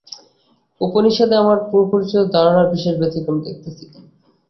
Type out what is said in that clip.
উপনিষদে আমরা পূর্বপ্রচলিত ধারণার বিশেষ ব্যতিক্রম দেখিতেছি।